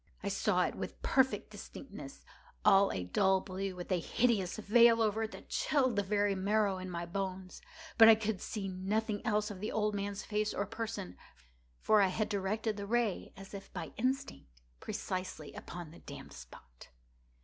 I saw it with perfect distinctness—all a dull blue, with a hideous veil over it that chilled the very marrow in my bones; but I could see nothing else of the old man's face or person: for I had directed the ray as if by instinct, precisely upon the damned spot.